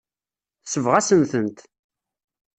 Tesbeɣ-asen-tent.